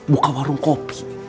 buka warung kopi